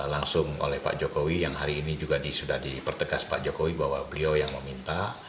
langsung oleh pak jokowi yang hari ini juga sudah dipertegas pak jokowi bahwa beliau yang meminta